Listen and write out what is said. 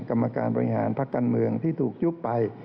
กรรมการบริหารพักการเมืองที่ถูกยุบไป